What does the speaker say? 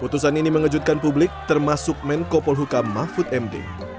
kutusan ini mengejutkan publik termasuk menkopolhukam mahfud md